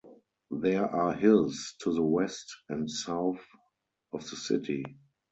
There are hills to the west and south of the city.